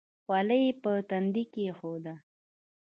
خولۍ یې پر تندي کېښوده.